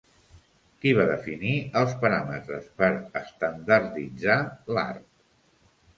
Qui va definir els paràmetres per estandarditzar l'art?